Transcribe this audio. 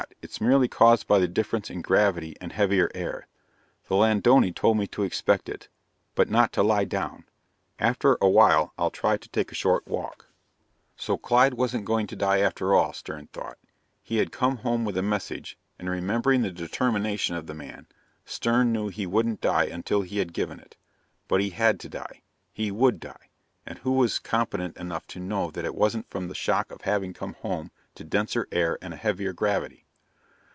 It's merely caused by the difference in gravity and heavier air. The Ladonai told me to expect it, but not to lie down. After a while I'll try to take a short walk." So Clyde wasn't going to die, after all, Stern thought. He had come home with a message, and, remembering the determination of the man, Stern knew he wouldn't die until he had given it. But he had to die. He would die, and who was competent enough to know that it wasn't from the shock of having come home to denser air and a heavier gravity?